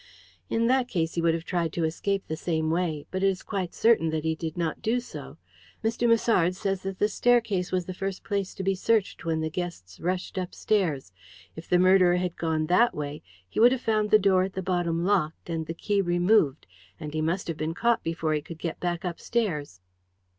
"In that case, he would have tried to escape the same way, but it is quite certain that he did not do so. Mr. Musard says that the staircase was the first place to be searched when the guests rushed upstairs. If the murderer had gone that way he would have found the door at the bottom locked, and the key removed, and he must have been caught before he could get back upstairs."